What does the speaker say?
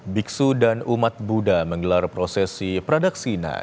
biksu dan umat buddha menggelar prosesi pradaksina